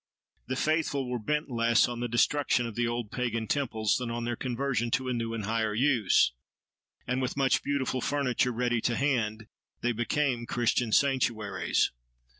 The faithful were bent less on the destruction of the old pagan temples than on their conversion to a new and higher use; and, with much beautiful furniture ready to hand, they became Christian sanctuaries.